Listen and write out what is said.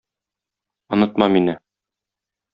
Онытма мине!